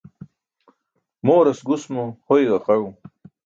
Mooras gus mo hoy ġaqaẏum.